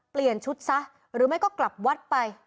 เปลี่ยนชุดซะหรือไม่ก็กลับวัดไป